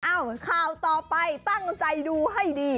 ข่าวต่อไปตั้งใจดูให้ดี